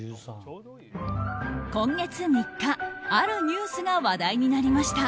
今月３日、あるニュースが話題になりました。